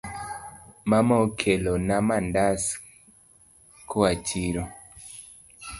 Mama okelona mandas koa chiro.